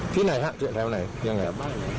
ที่ไหนฮะแถวไหนยังไง